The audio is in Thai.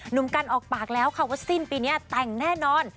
หนุ่มกันออกปากแล้วค่ะว่าสิ้นปีนี้แต่งแน่นอน